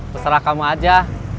peserah kamu aja